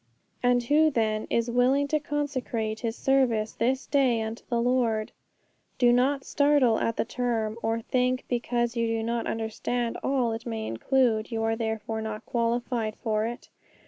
'And who, then, is willing to consecrate his service this day unto the Lord?' 'Do not startle at the term, or think, because you do not understand all it may include, you are therefore not qualified for it.